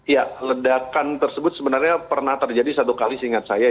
ya ledakan tersebut sebenarnya pernah terjadi satu kali seingat saya